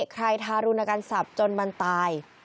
ใครทารุณกันศัพท์จนมันตาย